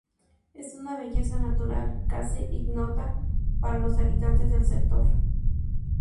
Es una belleza natural casi ignota para los habitantes del sector.